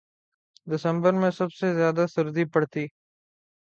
دسمبر میں سب سے زیادہ سردی پڑتی